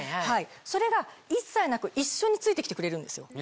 それが一切なく一緒について来てくれるんですよ。